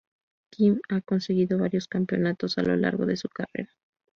Kim ha conseguido varios campeonatos a lo largo de su carrera.